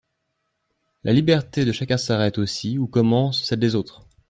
La liberté de chacun s’arrête aussi où commence celle des autres.